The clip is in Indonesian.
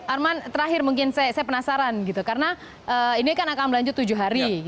arman terakhir mungkin saya penasaran gitu karena ini kan akan berlanjut tujuh hari